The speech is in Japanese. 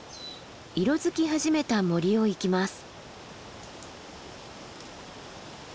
色づき始めた森を行きます。